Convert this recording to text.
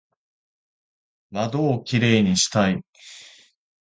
窓をキレイにしたい